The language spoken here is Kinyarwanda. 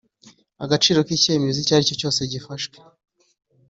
Agaciro k icyemezo icyo aricyo cyose gifashwe